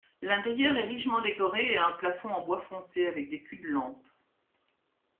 L'intérieur est richement décoré et a un plafond en bois foncé avec des cul-de-lampe.